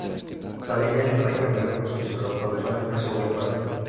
Se alimenta de cangrejos, y su reproducción es ovípara.